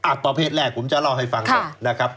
อ่ะประเภทแรกผมจะเล่าให้ฟังนะครับค่ะ